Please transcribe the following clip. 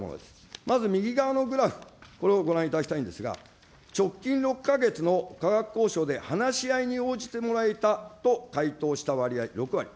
まず右側のグラフ、これをご覧いただきたいんですが、直近６か月の価格交渉で話し合いに応じてもらえたと回答した割合、６割。